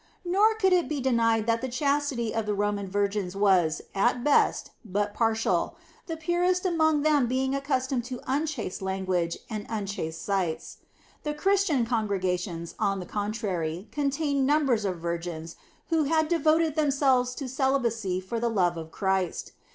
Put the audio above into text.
Nor could it be denied that the chastity of the Roman virgins was, at best, but partial, the purest among them being accustomed to unchaste language and unchaste sights. The Christian congregations, on the contrary, contained numbers of virgins who had devoted themselves to celibacy for the love of Christ.